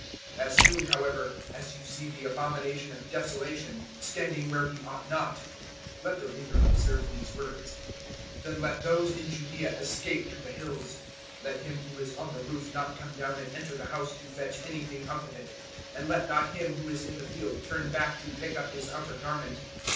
013:014 "As soon, however, as you see the Abomination of Desolation standing where he ought not" let the reader observe these words "then let those in Judaea escape to the hills; 013:015 let him who is on the roof not come down and enter the house to fetch anything out of it; 013:016 and let not him who is in the field turn back to pick up his outer garment.